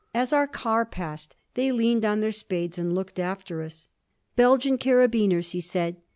As our car passed they leaned on their spades and looked after us. "Belgian carabineers," he said.